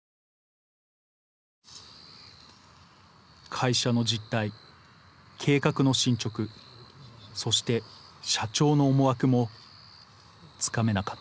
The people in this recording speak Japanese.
会社の実態計画の進捗そして社長の思惑もつかめなかっ